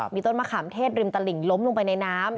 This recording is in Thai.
มีต้นมะขามเทศริมตลิ่งล้มลงไปในน้ำ